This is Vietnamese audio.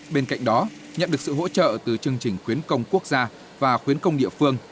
bên cạnh đó nhận được sự hỗ trợ từ chương trình khuyến công quốc gia và khuyến công địa phương